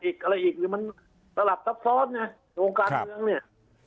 อีกก็ไรอีกนี่มันสลับซับซ้อนเนี่ยโอการเมืองเนี่ย